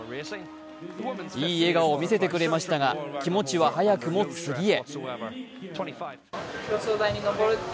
いい笑顔を見せてくれましたが気持ちは早くも次へ。